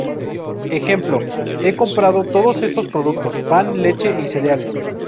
Ej: He comprado todos estos productos: pan, leche y cereales.